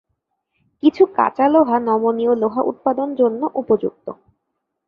কিছু কাঁচা লোহা নমনীয় লোহা উৎপাদন জন্য উপযুক্ত।